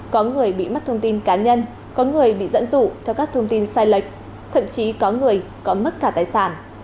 có người bị mất thông tin cá nhân có người bị dẫn dụ theo các thông tin sai lệch thậm chí có người có mất cả tài sản